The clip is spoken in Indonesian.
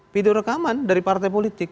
video rekaman dari partai politik